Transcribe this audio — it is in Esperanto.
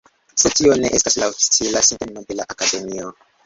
Sed tio ne estas la oficiala sinteno de la Akademio.